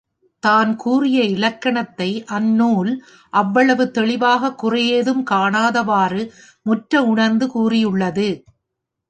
தான் கூறிய இலக்கணத்தை அந்நூல் அவ்வளவு தெளிவாகக் குறையேதும் காணாவாறு முற்ற உணர்ந்து கூறியுள்ளது.